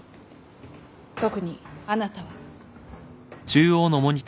特にあなたは。